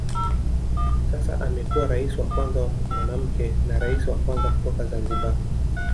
Sasa amekuwa rais wa kwanza mwanamke na rais wa kwanza kutoka Zanzibar.